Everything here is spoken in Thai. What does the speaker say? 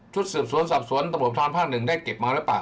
ชุดสืบสวนสับสวนตระบบทรอนภาค๑ได้เก็บมาหรือเปล่า